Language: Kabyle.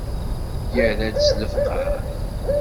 Yerra-d s lefqeε.